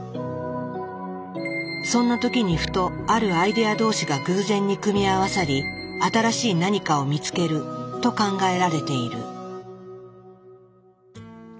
そんな時にふとあるアイデア同士が偶然に組み合わさり新しい何かを見つけると考えられている。